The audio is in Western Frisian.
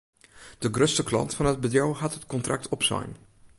De grutste klant fan it bedriuw hat it kontrakt opsein.